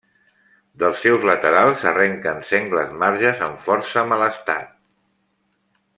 Dels seus laterals arrenquen sengles marges en força mal estat.